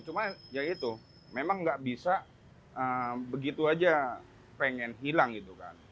cuma ya itu memang nggak bisa begitu aja pengen hilang gitu kan